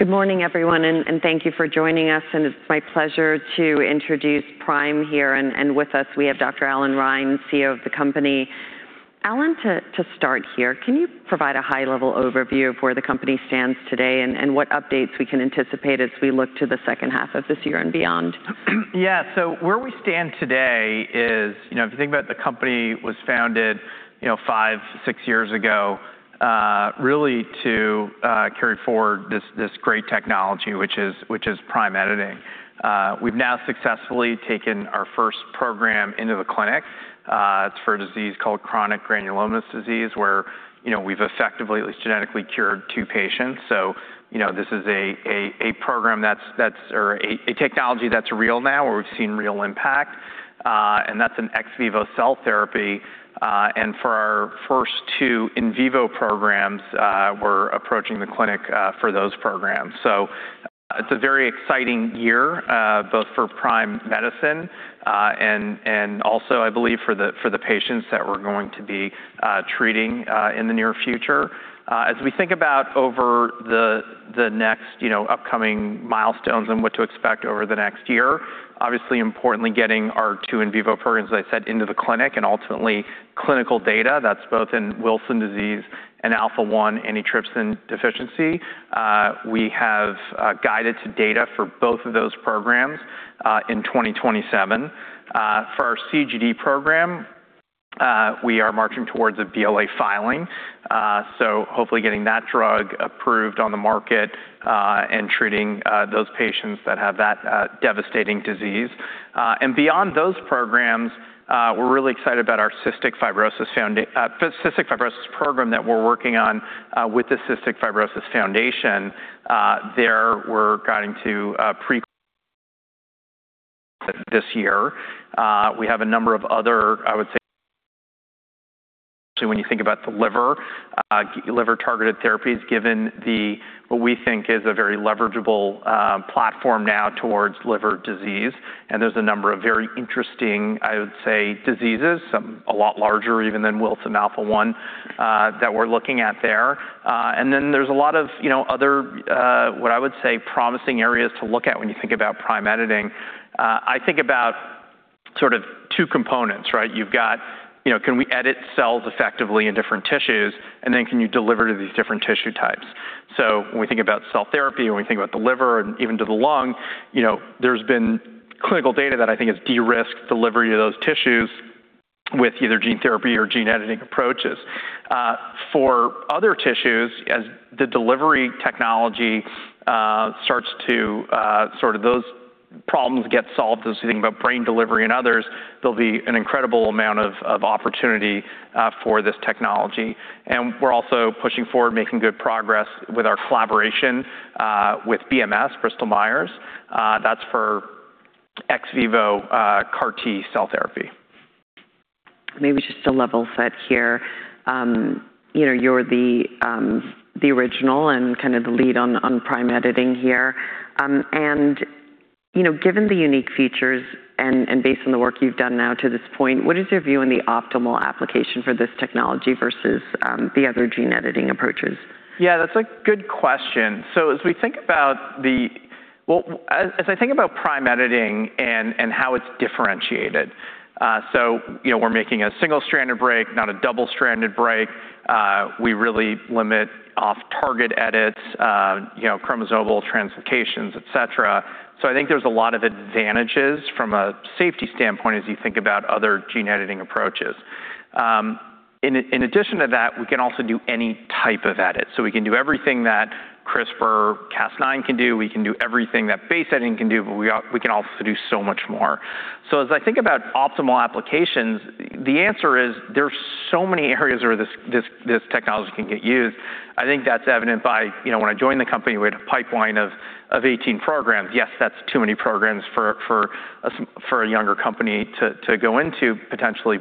Good morning, everyone, thank you for joining us. It's my pleasure to introduce Prime here. With us, we have Dr. Allan Reine, CEO of the company. Allan, to start here, can you provide a high-level overview of where the company stands today and what updates we can anticipate as we look to the second half of this year and beyond? Where we stand today is, if you think about it, the company was founded five, six years ago, really to carry forward this great technology, which is Prime Editing. We've now successfully taken our first program into the clinic. It's for a disease called chronic granulomatous disease, where we've effectively, at least genetically, cured two patients. This is a program, or a technology that's real now, where we've seen real impact. That's an ex vivo cell therapy. For our first two in vivo programs, we're approaching the clinic for those programs. It's a very exciting year, both for Prime Medicine and also, I believe, for the patients that we're going to be treating in the near future. As we think about over the next upcoming milestones and what to expect over the next year, obviously, importantly, getting our two in vivo programs, as I said, into the clinic and ultimately clinical data that's both in Wilson Disease and Alpha-1 antitrypsin deficiency. We have guided to data for both of those programs in 2027. For our CGD program, we are marching towards a BLA filing. Hopefully getting that drug approved on the market, and treating those patients that have that devastating disease. Beyond those programs, we're really excited about our cystic fibrosis program that we're working on with the Cystic Fibrosis Foundation. There, we're guiding to pre- this year. We have a number of other, I would say, when you think about the liver-targeted therapies, given what we think is a very leverageable platform now towards liver disease. There's a number of very interesting, I would say, diseases, some a lot larger even than Wilson Alpha-1, that we're looking at there. Then there's a lot of other, what I would say, promising areas to look at when you think about Prime Editing. I think about sort of two components, right? You've got, can we edit cells effectively in different tissues? Then can you deliver to these different tissue types? When we think about cell therapy, when we think about the liver and even to the lung, there's been clinical data that I think has de-risked delivery of those tissues with either gene therapy or gene editing approaches. For other tissues, as the delivery technology starts to sort of those problems get solved, as you think about brain delivery and others, there'll be an incredible amount of opportunity for this technology. We're also pushing forward, making good progress with our collaboration with BMS, Bristol Myers. That's for ex vivo CAR T cell therapy. Maybe just to level set here. You're the original and kind of the lead on Prime Editing here. Given the unique features and based on the work you've done now to this point, what is your view on the optimal application for this technology versus the other gene editing approaches? Yeah, that's a good question. As I think about Prime Editing and how it's differentiated, we're making a single-stranded break, not a double-stranded break. We really limit off-target edits, chromosomal translocations, et cetera. I think there's a lot of advantages from a safety standpoint as you think about other gene editing approaches. In addition to that, we can also do any type of edit. We can do everything that CRISPR/Cas9 can do, we can do everything that base editing can do, but we can also do so much more. As I think about optimal applications, the answer is there are so many areas where this technology can get used. I think that's evident by when I joined the company, we had a pipeline of 18 programs. Yes, that's too many programs for a younger company to go into, potentially.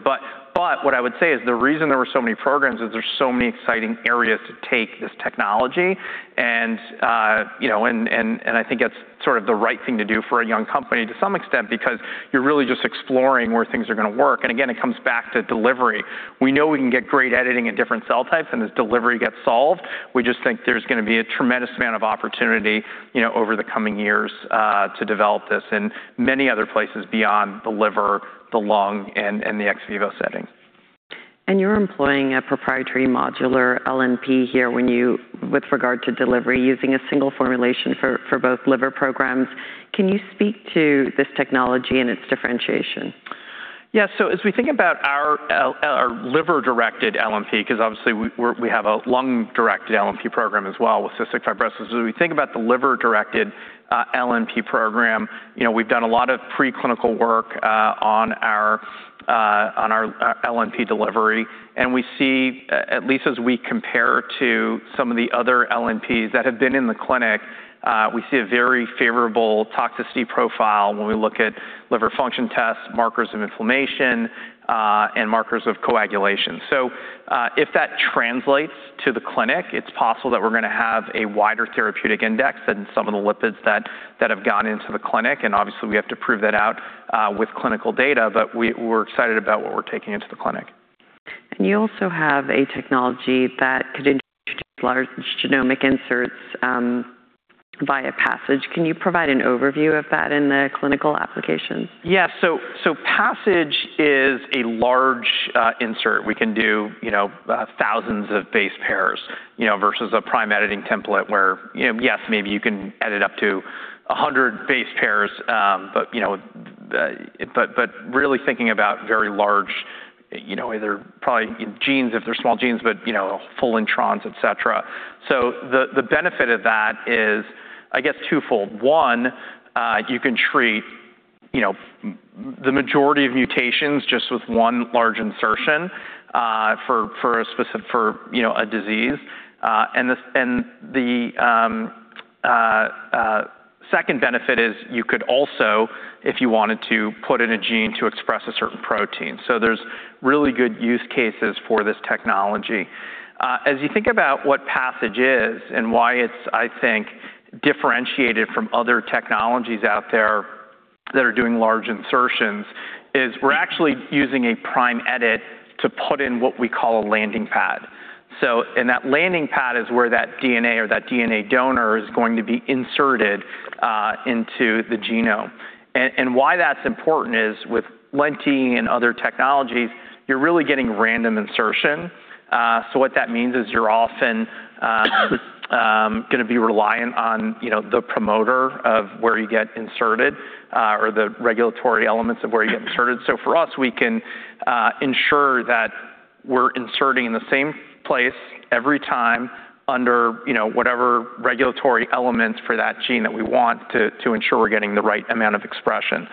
What I would say is the reason there were so many programs is there's so many exciting areas to take this technology, and I think that's sort of the right thing to do for a young company to some extent because you're really just exploring where things are going to work. Again, it comes back to delivery. We know we can get great editing at different cell types, and as delivery gets solved, we just think there's going to be a tremendous amount of opportunity over the coming years to develop this in many other places beyond the liver, the lung, and the ex vivo setting. You're employing a proprietary modular LNP here with regard to delivery, using a single formulation for both liver programs. Can you speak to this technology and its differentiation? As we think about our liver-directed LNP, because obviously we have a lung-directed LNP program as well with cystic fibrosis. As we think about the liver-directed LNP program, we've done a lot of preclinical work on our LNP delivery. We see, at least as we compare to some of the other LNPs that have been in the clinic, we see a very favorable toxicity profile when we look at liver function tests, markers of inflammation, and markers of coagulation. If that translates to the clinic, it's possible that we're going to have a wider therapeutic index than some of the lipids that have gone into the clinic. Obviously, we have to prove that out with clinical data, but we're excited about what we're taking into the clinic. You also have a technology that could introduce large genomic inserts via PASSIGE. Can you provide an overview of that in the clinical applications? Yes. PASSIGE is a large insert. We can do thousands of base pairs, versus a Prime Editing template where, yes, maybe you can edit up to 100 base pairs, but really thinking about very large, either probably genes if they're small genes, but full introns, et cetera. The benefit of that is, I guess twofold. One, you can treat the majority of mutations just with one large insertion for a disease. The second benefit is you could also, if you wanted to, put in a gene to express a certain protein. There's really good use cases for this technology. As you think about what PASSIGE is and why it's, I think, differentiated from other technologies out there that are doing large insertions, is we're actually using a Prime edit to put in what we call a landing pad. That landing pad is where that DNA or that DNA donor is going to be inserted into the genome. Why that's important is with lentiviral and other technologies, you're really getting random insertion. What that means is you're often going to be reliant on the promoter of where you get inserted, or the regulatory elements of where you get inserted. For us, we can ensure that we're inserting in the same place every time under whatever regulatory elements for that gene that we want to ensure we're getting the right amount of expression.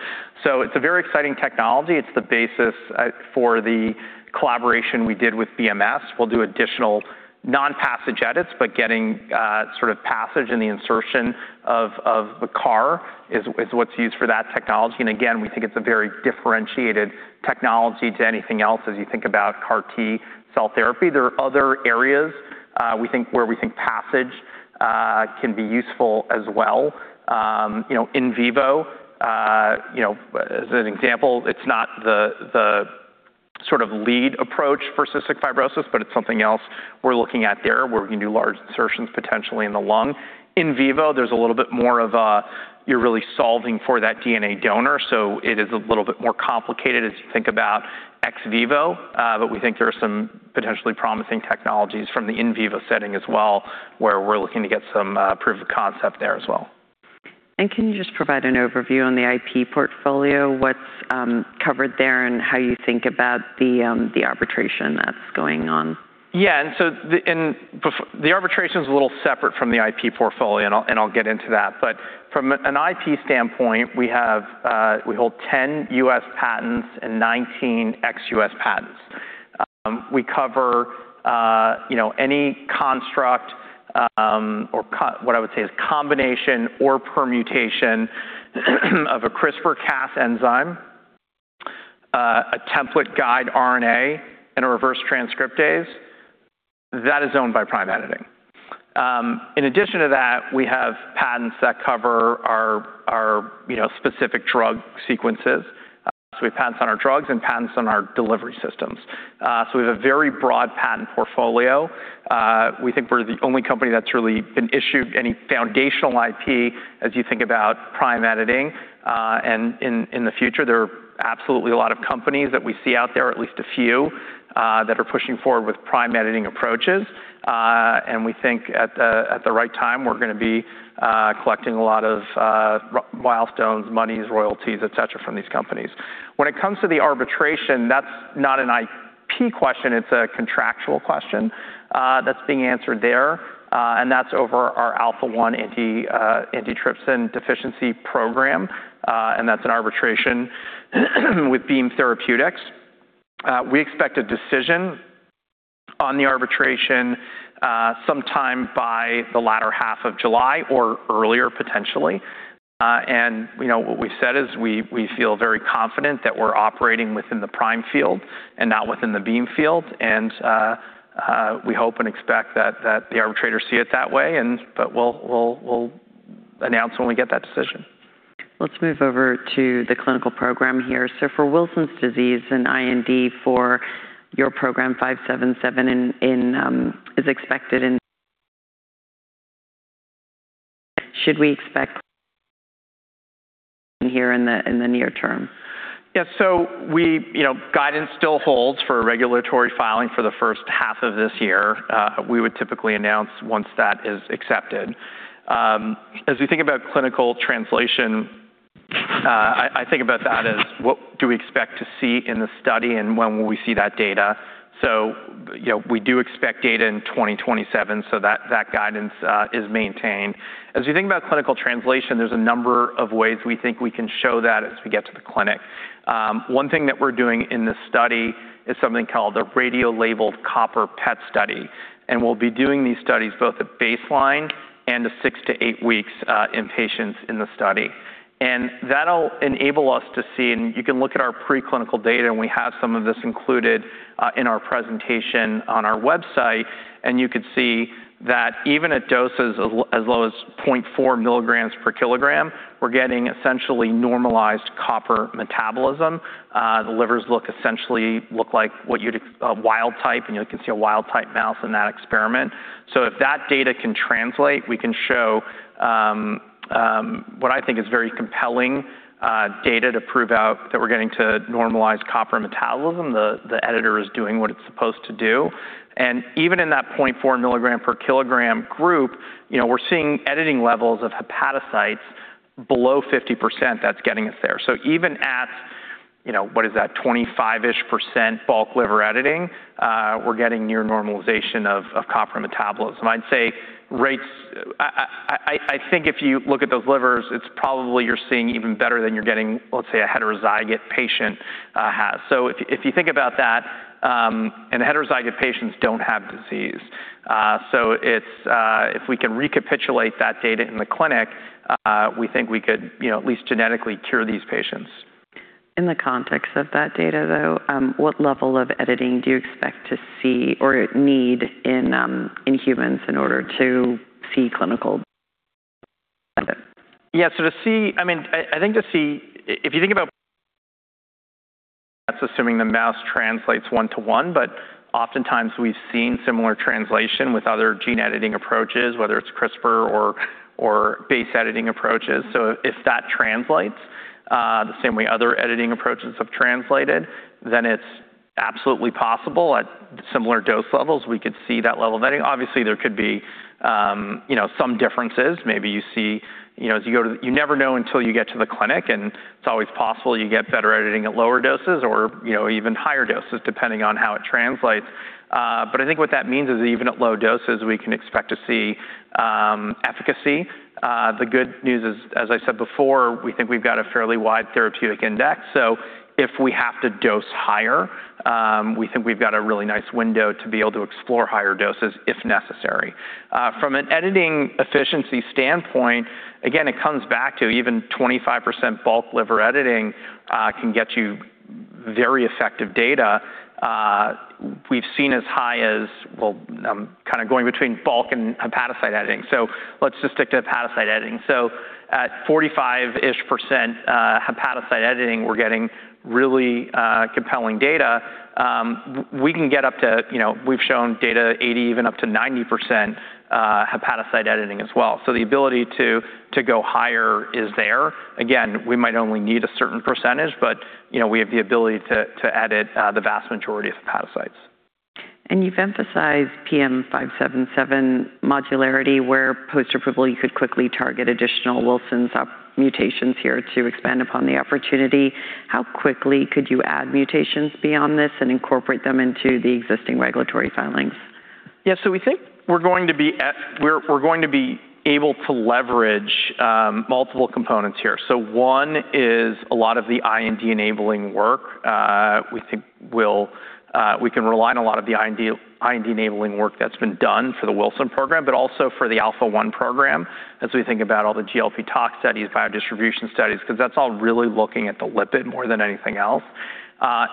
It's a very exciting technology. It's the basis for the collaboration we did with BMS. We'll do additional non-PASSIGE edits, but getting sort of PASSIGE in the insertion of the CAR is what's used for that technology. Again, we think it's a very differentiated technology to anything else, as you think about CAR T-cell therapy. There are other areas where we think PASSIGE can be useful as well. In vivo, as an example, it's not the sort of lead approach for cystic fibrosis, but it's something else we're looking at there, where we can do large insertions potentially in the lung. In vivo, there's a little bit more of a, you're really solving for that DNA donor, it is a little bit more complicated as you think about ex vivo. We think there are some potentially promising technologies from the in vivo setting as well, where we're looking to get some proof of concept there as well. Can you just provide an overview on the IP portfolio, what's covered there, and how you think about the arbitration that's going on? Yeah. The arbitration's a little separate from the IP portfolio, and I'll get into that. From an IP standpoint, we hold 10 U.S. patents and 19 ex-U.S. patents. We cover any construct, or what I would say is combination or permutation of a CRISPR-Cas enzyme, a template guide RNA, and a reverse transcriptase. That is owned by Prime Medicine. In addition to that, we have patents that cover our specific drug sequences. We have patents on our drugs and patents on our delivery systems. We have a very broad patent portfolio. We think we're the only company that's really been issued any foundational IP as you think about prime editing. In the future, there are absolutely a lot of companies that we see out there, at least a few, that are pushing forward with prime editing approaches. We think at the right time, we're going to be collecting a lot of milestones, monies, royalties, et cetera, from these companies. When it comes to the arbitration, that's not an IP question, it's a contractual question that's being answered there. That's over our Alpha-1 Antitrypsin Deficiency program, and that's an arbitration with Beam Therapeutics. We expect a decision on the arbitration sometime by the latter half of July or earlier, potentially. What we've said is we feel very confident that we're operating within the Prime field and not within the Beam field, and we hope and expect that the arbitrators see it that way. We'll announce when we get that decision. Let's move over to the clinical program here. For Wilson Disease, an IND for your program, 577, is expected in. Should we expect here in the near term? Guidance still holds for a regulatory filing for the first half of this year. We would typically announce once that is accepted. As we think about clinical translation, I think about that as what do we expect to see in the study and when will we see that data. We do expect data in 2027, so that guidance is maintained. You think about clinical translation, there's a number of ways we think we can show that as we get to the clinic. One thing that we're doing in this study is something called a radiolabeled copper PET study, and we'll be doing these studies both at baseline and at six to eight weeks in patients in the study. That'll enable us to see, you can look at our preclinical data, we have some of this included in our presentation on our website, and you could see that even at doses as low as 0.4 mg/kg, we're getting essentially normalized copper metabolism. The livers essentially look like what you'd expect a wild-type, and you can see a wild-type mouse in that experiment. If that data can translate, we can show what I think is very compelling data to prove out that we're getting to normalized copper metabolism, the editor is doing what it's supposed to do. Even in that 0.4 mg/kg group, we're seeing editing levels of hepatocytes below 50%, that's getting us there. Even at, what is that, 25%-ish bulk liver editing, we're getting near normalization of copper metabolism. I think if you look at those livers, it's probably you're seeing even better than you're getting, let's say, a heterozygote patient has. If you think about that, heterozygote patients don't have disease. If we can recapitulate that data in the clinic, we think we could at least genetically cure these patients. In the context of that data, though, what level of editing do you expect to see or need in humans in order to see clinical benefit? Yeah. That's assuming the mouse translates one to one, but oftentimes we've seen similar translation with other gene editing approaches, whether it's CRISPR or base editing approaches. If that translates, the same way other editing approaches have translated, it's absolutely possible at similar dose levels, we could see that level of editing. Obviously, there could be some differences. You never know until you get to the clinic, and it's always possible you get better editing at lower doses or even higher doses, depending on how it translates. I think what that means is that even at low doses, we can expect to see efficacy. The good news is, as I said before, we think we've got a fairly wide therapeutic index. If we have to dose higher, we think we've got a really nice window to be able to explore higher doses if necessary. From an editing efficiency standpoint, again, it comes back to even 25% bulk liver editing can get you very effective data. We've seen as high as, well, I'm kind of going between bulk and hepatocyte editing. Let's just stick to hepatocyte editing. At 45%-ish hepatocyte editing, we're getting really compelling data. We've shown data 80%, even up to 90% hepatocyte editing as well. The ability to go higher is there. Again, we might only need a certain percentage, but we have the ability to edit the vast majority of hepatocytes. You've emphasized PM577 modularity, where post-approval, you could quickly target additional Wilson Disease mutations here to expand upon the opportunity. How quickly could you add mutations beyond this and incorporate them into the existing regulatory filings? We think we're going to be able to leverage multiple components here. One is a lot of the IND-enabling work. We think we can rely on a lot of the IND-enabling work that's been done for the Wilson Disease program, but also for the Alpha-1 program, as we think about all the GLP tox studies, biodistribution studies, because that's all really looking at the lipid more than anything else.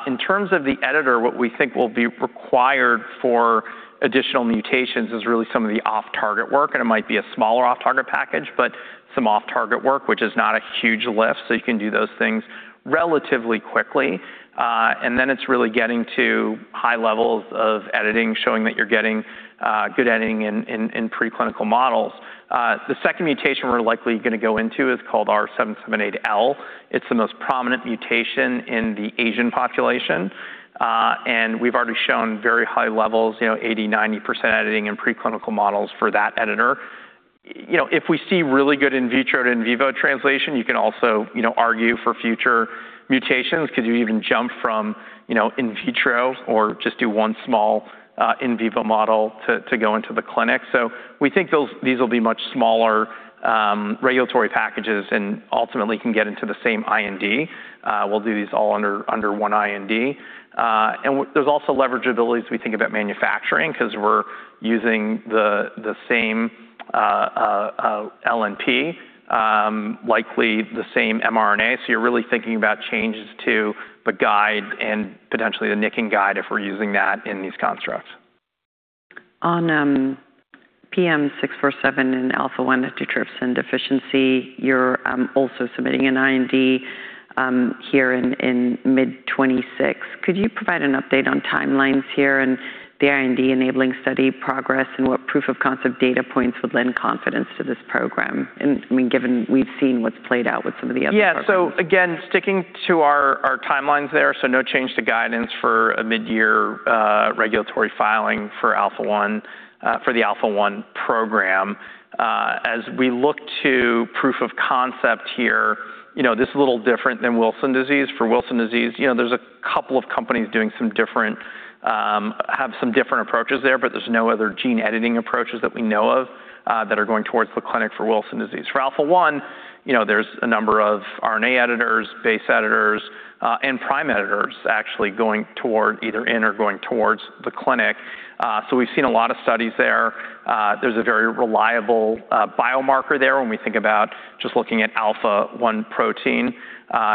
In terms of the editor, what we think will be required for additional mutations is really some of the off-target work, and it might be a smaller off-target package, but some off-target work, which is not a huge lift, so you can do those things relatively quickly. It's really getting to high levels of editing, showing that you're getting good editing in preclinical models. The second mutation we're likely going to go into is called R778L. It's the most prominent mutation in the Asian population. We've already shown very high levels, 80%, 90% editing in preclinical models for that editor. If we see really good in vitro and in vivo translation, you can also argue for future mutations because you even jump from in vitro or just do one small in vivo model to go into the clinic. We think these will be much smaller regulatory packages and ultimately can get into the same IND. We'll do these all under one IND. There's also leverageability as we think about manufacturing because we're using the same LNP, likely the same mRNA. You're really thinking about changes to the guide and potentially the nicking guide if we're using that in these constructs. On PM647 in Alpha-1 antitrypsin deficiency, you're also submitting an IND here in mid 2026. Could you provide an update on timelines here and the IND-enabling study progress and what proof of concept data points would lend confidence to this program? Again, sticking to our timelines there, no change to guidance for a mid-year regulatory filing for the Alpha-1 program. As we look to proof of concept here, this is a little different than Wilson Disease. For Wilson Disease, there's a couple of companies doing some different-- have some different approaches there, but there's no other gene editing approaches that we know of that are going towards the clinic for Wilson Disease. For Alpha-1, there's a number of RNA editors, base editors, and prime editors actually going toward either in or going towards the clinic. We've seen a lot of studies there. There's a very reliable biomarker there when we think about just looking at Alpha-1 protein.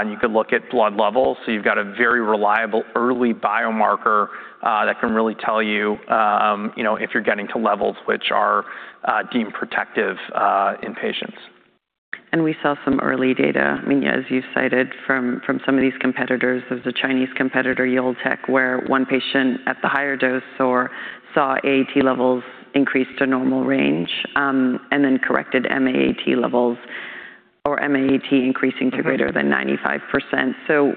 You could look at blood levels. You've got a very reliable early biomarker that can really tell you if you're getting to levels which are deemed protective in patients. We saw some early data, as you've cited, from some of these competitors. There's a Chinese competitor, YolTech, where one patient at the higher dose saw AAT levels increase to normal range, and then corrected M-AAT levels or M-AAT increasing to greater than 95%.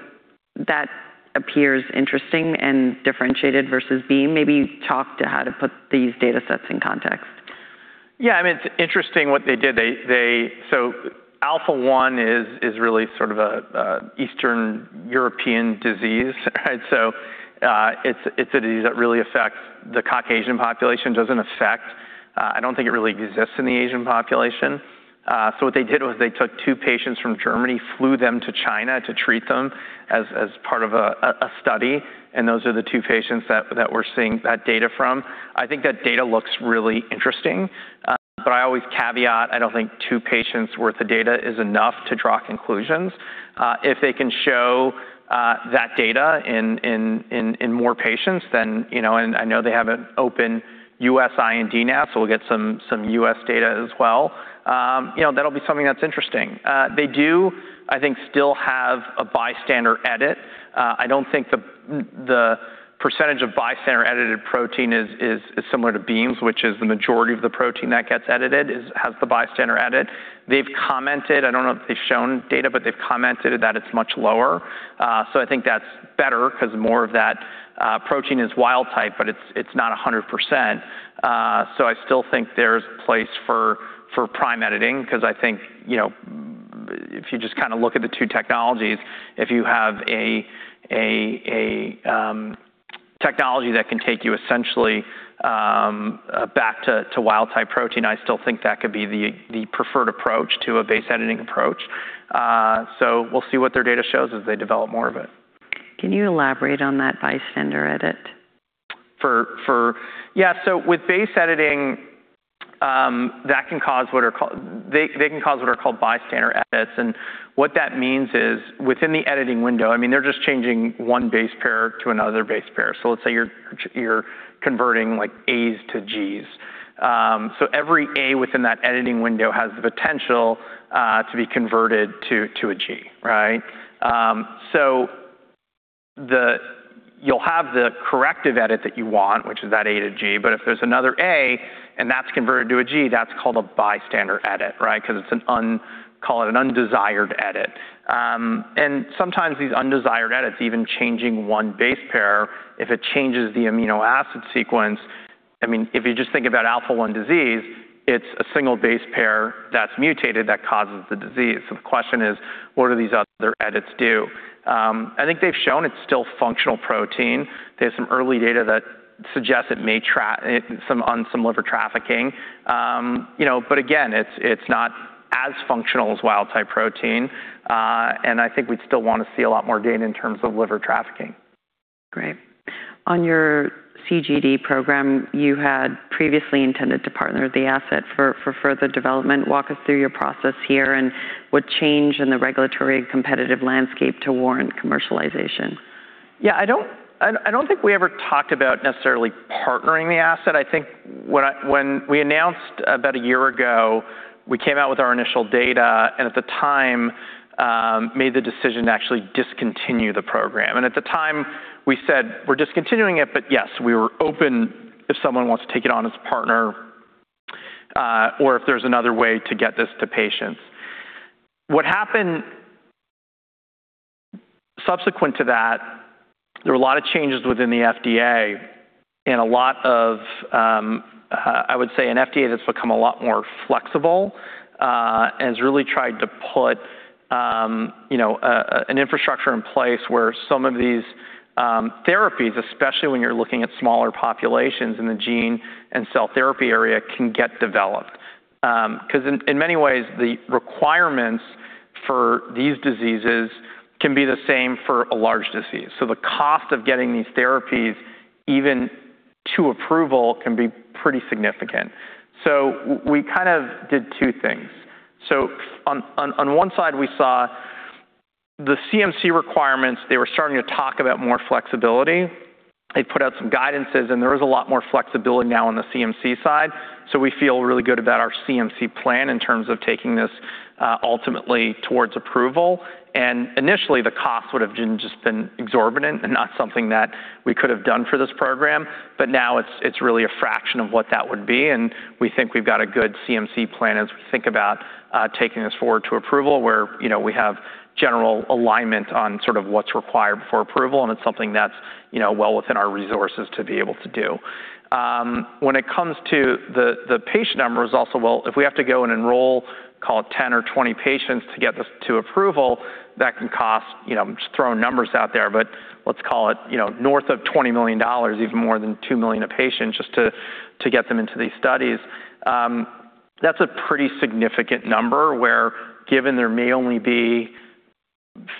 That appears interesting and differentiated versus Beam. Maybe talk to how to put these data sets in context. It's interesting what they did. Alpha-1 is really sort of an Eastern European disease, right? It's a disease that really affects the Caucasian population. I don't think it really exists in the Asian population. What they did was they took two patients from Germany, flew them to China to treat them as part of a study, and those are the two patients that we're seeing that data from. I think that data looks really interesting, but I always caveat, I don't think two patients worth of data is enough to draw conclusions. If they can show that data in more patients, and I know they have an open U.S. IND now, we'll get some U.S. data as well. That'll be something that's interesting. They do, I think, still have a bystander edit. I don't think the percentage of bystander edited protein is similar to Beam's, which is the majority of the protein that gets edited has the bystander edit. They've commented, I don't know if they've shown data, but they've commented that it's much lower. I think that's better because more of that protein is wild type, but it's not 100%. I still think there's place for prime editing, because I think if you just kind of look at the two technologies, if you have a technology that can take you essentially back to wild type protein, I still think that could be the preferred approach to a base editing approach. We'll see what their data shows as they develop more of it. Can you elaborate on that bystander edit? Yeah. With base editing, they can cause what are called bystander edits. What that means is within the editing window, they're just changing one base pair to another base pair. Let's say you're converting A's to G's. Every A within that editing window has the potential to be converted to a G, right? You'll have the corrective edit that you want, which is that A to G, if there's another A and that's converted to a G, that's called a bystander edit, right? Call it an undesired edit. Sometimes these undesired edits, even changing one base pair, if it changes the amino acid sequence, if you just think about Alpha-1 disease, it's a single base pair that's mutated that causes the disease. The question is, what do these other edits do? I think they've shown it's still functional protein. They have some early data that suggests it may on some liver trafficking. Again, it's not as functional as wild-type protein. I think we'd still want to see a lot more gain in terms of liver trafficking. Great. On your CGD program, you had previously intended to partner the asset for further development. Walk us through your process here and what changed in the regulatory competitive landscape to warrant commercialization. Yeah, I don't think we ever talked about necessarily partnering the asset. I think when we announced about a year ago, we came out with our initial data. At the time made the decision to actually discontinue the program. At the time we said we're discontinuing it, but yes, we were open if someone wants to take it on as a partner or if there's another way to get this to patients. What happened subsequent to that, there were a lot of changes within the FDA and a lot of, I would say an FDA that's become a lot more flexible, and has really tried to put an infrastructure in place where some of these therapies, especially when you're looking at smaller populations in the gene and cell therapy area, can get developed. In many ways, the requirements for these diseases can be the same for a large disease. The cost of getting these therapies even to approval can be pretty significant. We kind of did two things. On one side, we saw the CMC requirements. They were starting to talk about more flexibility. They put out some guidances, there is a lot more flexibility now on the CMC side. We feel really good about our CMC plan in terms of taking this ultimately towards approval. Initially, the cost would have just been exorbitant and not something that we could have done for this program. Now it's really a fraction of what that would be, and we think we've got a good CMC plan as we think about taking this forward to approval, where we have general alignment on sort of what's required for approval, and it's something that's well within our resources to be able to do. When it comes to the patient numbers also, well, if we have to go and enroll, call it 10 or 20 patients to get this to approval, that can cost, just throwing numbers out there, but let's call it north of $20 million, even more than $2 million a patient just to get them into these studies. That's a pretty significant number where given there may only be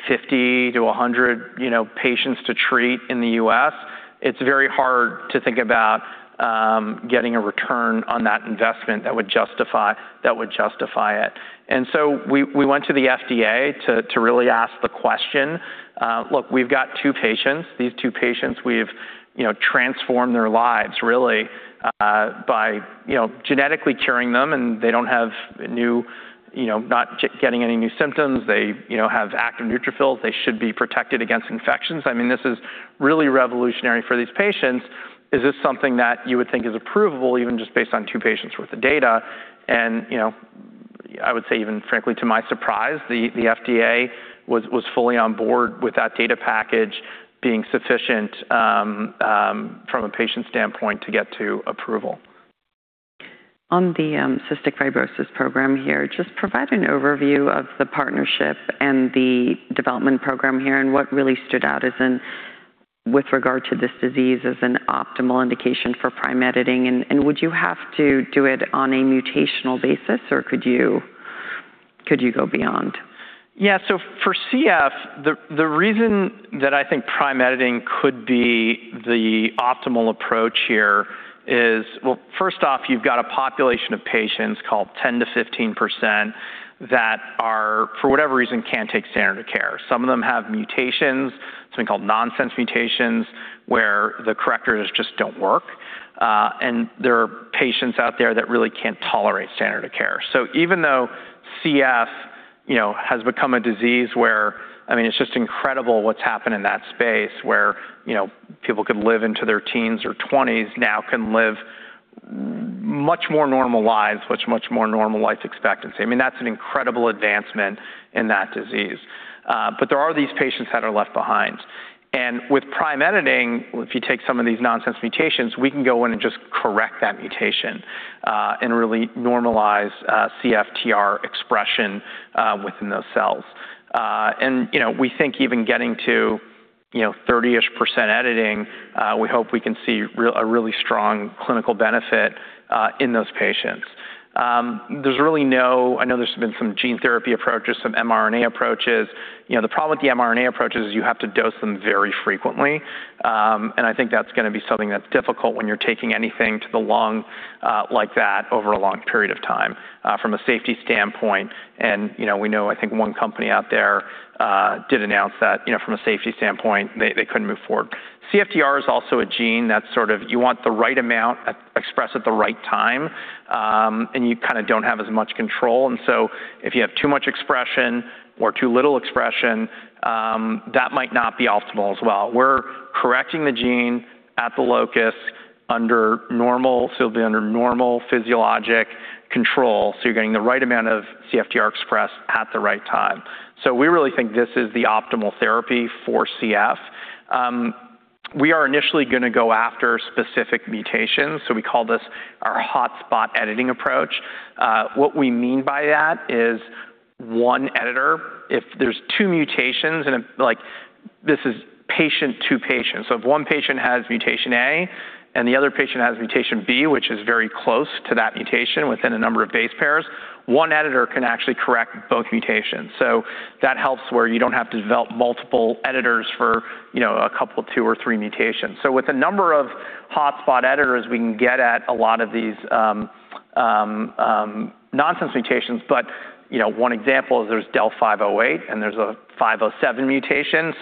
50 to 100 patients to treat in the U.S., it's very hard to think about getting a return on that investment that would justify it. We went to the FDA to really ask the question, "Look, we've got two patients. These two patients, we've transformed their lives, really, by genetically curing them, not getting any new symptoms. They have active neutrophils. They should be protected against infections. This is really revolutionary for these patients. Is this something that you would think is approvable, even just based on two patients' worth of data?" I would say even frankly to my surprise, the FDA was fully on board with that data package being sufficient from a patient standpoint to get to approval. On the cystic fibrosis program here, just provide an overview of the partnership and the development program here, and what really stood out with regard to this disease as an optimal indication for Prime Editing. Would you have to do it on a mutational basis, or could you go beyond? Yeah. For CF, the reason that I think Prime Editing could be the optimal approach here is, well, first off, you've got a population of patients called 10%-15% that are, for whatever reason, can't take standard of care. Some of them have mutations, something called nonsense mutations, where the correctors just don't work. There are patients out there that really can't tolerate standard of care. Even though CF has become a disease where, it's just incredible what's happened in that space, where people could live into their teens or twenties, now can live much more normal lives, with much more normal life expectancy. That's an incredible advancement in that disease. There are these patients that are left behind. With Prime Editing, if you take some of these nonsense mutations, we can go in and just correct that mutation, and really normalize CFTR expression within those cells. We think even getting to 30%-ish editing, we hope we can see a really strong clinical benefit in those patients. I know there's been some gene therapy approaches, some mRNA approaches. The problem with the mRNA approaches is you have to dose them very frequently. I think that's going to be something that's difficult when you're taking anything to the lung like that over a long period of time from a safety standpoint. We know, I think one company out there did announce that from a safety standpoint, they couldn't move forward. CFTR is also a gene that sort of you want the right amount expressed at the right time, and you kind of don't have as much control. If you have too much expression or too little expression, that might not be optimal as well. We're correcting the gene at the locus under normal physiologic control, so you're getting the right amount of CFTR expressed at the right time. We really think this is the optimal therapy for CF. We are initially going to go after specific mutations, so we call this our hotspot editing approach. What we mean by that is one editor, if there's two mutations and, like, this is patient to patient, if one patient has mutation A and the other patient has mutation B, which is very close to that mutation within a number of base pairs, one editor can actually correct both mutations. That helps where you don't have to develop multiple editors for a couple, two or three mutations. With a number of hotspot editors, we can get at a lot of these nonsense mutations. One example is there's del508 and there's a 507 mutation.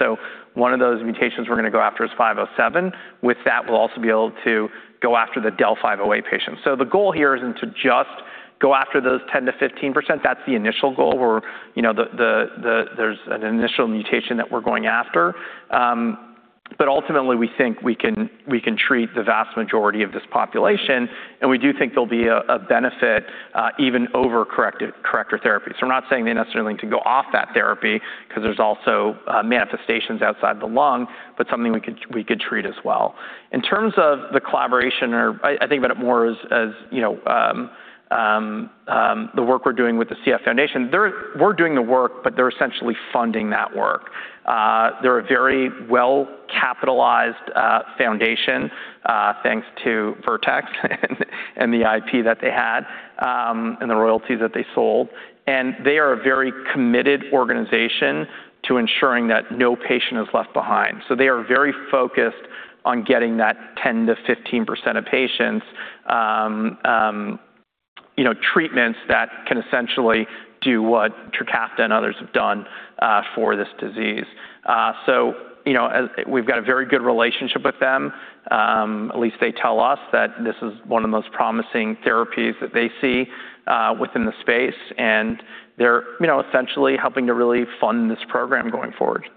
One of those mutations we're going to go after is 507. With that, we'll also be able to go after the del508 patient. The goal here isn't to just go after those 10%-15%. That's the initial goal, or there's an initial mutation that we're going after. Ultimately, we think we can treat the vast majority of this population, and we do think there'll be a benefit even over corrector therapy. I'm not saying they necessarily need to go off that therapy because there's also manifestations outside the lung, but something we could treat as well. In terms of the collaboration, or I think about it more as the work we're doing with the CF Foundation, we're doing the work, but they're essentially funding that work. They're a very well-capitalized foundation, thanks to Vertex and the IP that they had, and the royalties that they sold. They are a very committed organization to ensuring that no patient is left behind. They are very focused on getting that 10%-15% of patients treatments that can essentially do what TRIKAFTA and others have done for this disease. We've got a very good relationship with them. At least they tell us that this is one of the most promising therapies that they see within the space, and they're essentially helping to really fund this program going forward.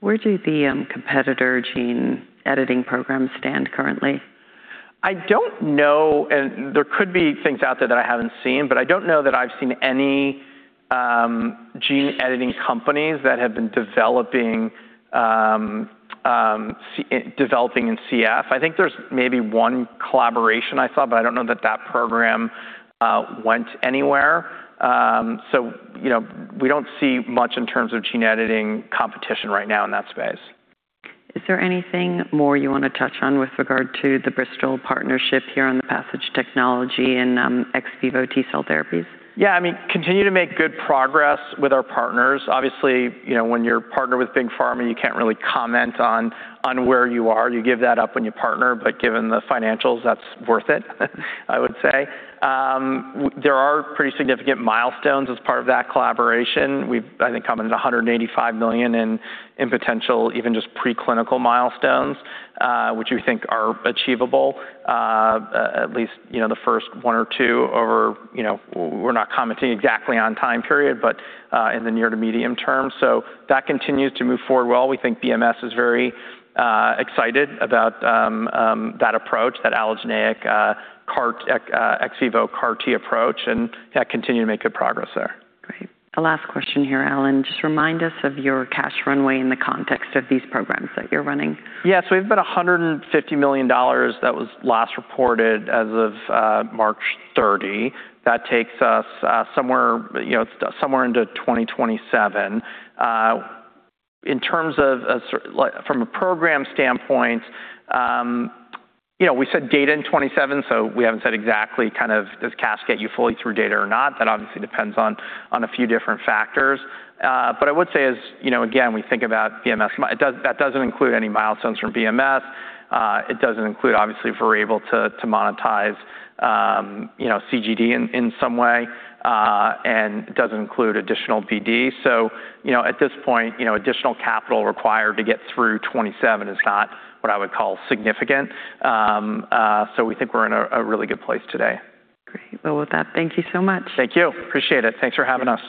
Where do the competitor gene editing programs stand currently? I don't know, and there could be things out there that I haven't seen, but I don't know that I've seen any gene editing companies that have been developing in CF. I think there's maybe one collaboration I saw, but I don't know that that program went anywhere. We don't see much in terms of gene editing competition right now in that space. Is there anything more you want to touch on with regard to the Bristol partnership here on the PASSIGE technology and ex vivo T-cell therapies? Continue to make good progress with our partners. Obviously, when you're partnered with Big Pharma, you can't really comment on where you are. You give that up when you partner, but given the financials, that's worth it, I would say. There are pretty significant milestones as part of that collaboration. We've, I think, come into $185 million in potential, even just preclinical milestones, which we think are achievable, at least the first one or two, or we're not commenting exactly on time period, but in the near to medium term. That continues to move forward well. We think BMS is very excited about that approach, that allogeneic ex vivo CAR T approach, and continue to make good progress there. Great. The last question here, Allan. Just remind us of your cash runway in the context of these programs that you're running. Yeah. We've got $150 million that was last reported as of March 30. That takes us somewhere into 2027. From a program standpoint, we said data in 2027, we haven't said exactly kind of does cash get you fully through data or not. That obviously depends on a few different factors. I would say as, again, we think about BMS, that doesn't include any milestones from BMS. It doesn't include, obviously, if we're able to monetize CGD in some way, and it doesn't include additional BD. At this point, additional capital required to get through 2027 is not what I would call significant. We think we're in a really good place today. Great. Well, with that, thank you so much. Thank you. Appreciate it. Thanks for having us.